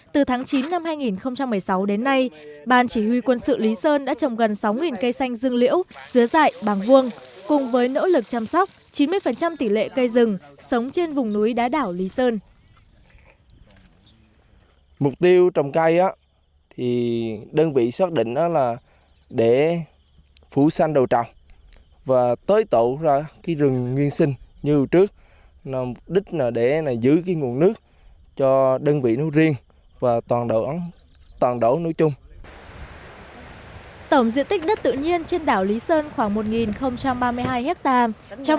từ tháng chín năm hai nghìn một mươi sáu đến nay bàn chỉ huy quân sự lý sơn đã trồng gần sáu cây xanh dương liễu dứa dại bằng vuông cùng với nỗ lực chăm sóc chín mươi tỷ lệ cây rừng sống trên vùng núi đá đảo lý sơn